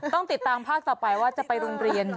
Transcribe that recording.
ต้องติดตามภาคต่อไปว่าจะไปโรงเรียน